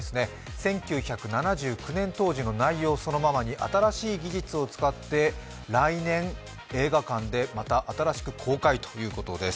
１９７９年当時の内容そのままに新しい技術を使って来年、映画館でまた新しく公開ということです。